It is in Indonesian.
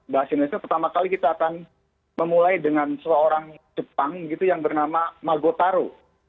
bahasa indonesia pertama kali kita akan memulai dengan seorang jepang gitu yang bernama magotaro